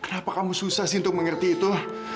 kenapa kamu susah sih untuk mengerti itu